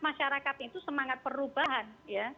masyarakat itu semangat perubahan